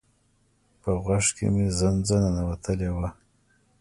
په غوږ کی می زنځه ننوتلی وه